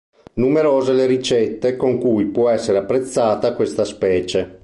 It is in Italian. Numerose le ricette con cui può essere apprezzata questa specie.